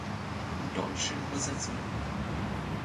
Deutsche Übersetzungen